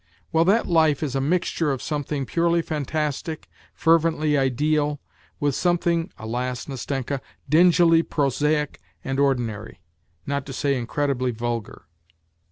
Well, that life is a mixture of something purely fantastic, fervently ideal, with something (alas ! Nastenka) dingily prosaic and ordinary, not to say incredibly vulgar."